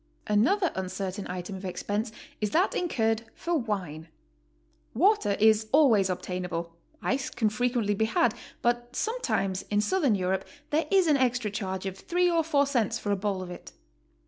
Another uncertain item of expense is that incurred for wine. Water is always obtainable; ice can frequently be had, but sometimes in Southern Europe there is an extra charge of three or four cents for a bowl of it.